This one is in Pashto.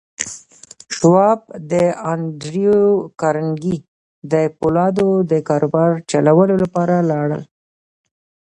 شواب د انډريو کارنګي د پولادو د کاروبار چلولو لپاره لاړ.